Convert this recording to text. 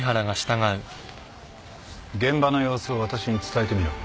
現場の様子を私に伝えてみろ。